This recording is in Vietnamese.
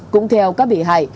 cũng theo các vị hại